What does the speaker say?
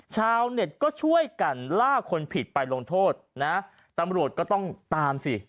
ชาวเน็ตก็ช่วยกันล่าคนผิดไปลงโทษนะตำรวจก็ต้องตามสิ